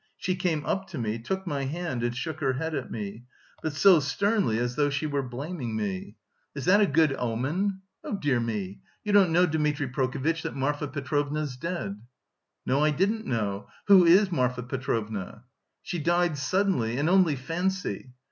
she came up to me, took my hand, and shook her head at me, but so sternly as though she were blaming me.... Is that a good omen? Oh, dear me! You don't know, Dmitri Prokofitch, that Marfa Petrovna's dead!" "No, I didn't know; who is Marfa Petrovna?" "She died suddenly; and only fancy..."